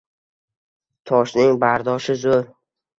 Toshning bardoshi zo`r